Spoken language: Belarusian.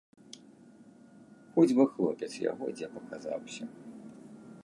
Хоць бы хлопец яго дзе паказаўся.